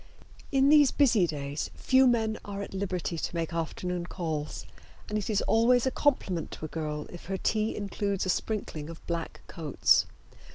In these busy days few men are at liberty to make afternoon calls, and it is always a compliment to a girl if her tea includes a sprinkling of black coats.